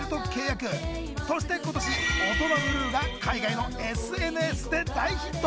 そして今年「オトナブルー」が海外のＳＮＳで大ヒット。